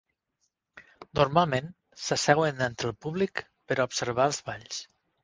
Normalment, s'asseuen entre el públic per a observar els balls.